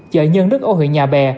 chợ nhân đức ô huyện nhà bè